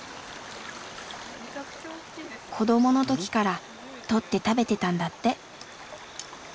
子どもの時から捕って食べてたんだって。